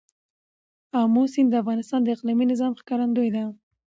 آمو سیند د افغانستان د اقلیمي نظام ښکارندوی ده.